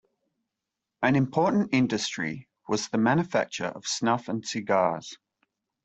An important industry was the manufacture of snuff and cigars.